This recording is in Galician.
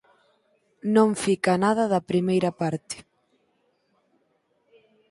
Non fica nada da primeira parte.